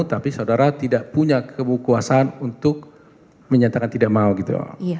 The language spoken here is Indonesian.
tapi saudara tidak punya kebukuasaan untuk menyatakan tidak mau gitu